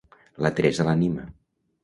La Teresa l'anima.